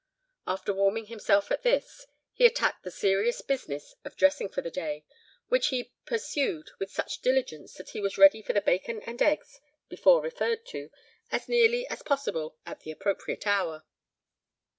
After warming himself at this, he attacked the serious business of dressing for the day, which he pursued with such diligence that he was ready for the bacon and eggs, before referred to, as nearly as possible at the appropriate hour.